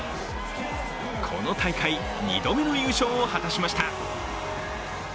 この大会２度目の優勝を果たしました。